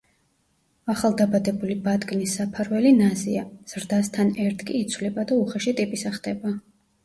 ახალდაბადებული ბატკნის საფარველი ნაზია, ზრდასთან ერთ კი იცვლება და უხეში ტიპისა ხდება.